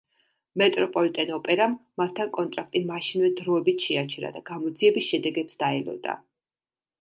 მეტროპოლიტენ-ოპერამ მასთან კონტრაქტი მაშინვე დროებით შეაჩერა და გამოძიების შედეგებს დაელოდა.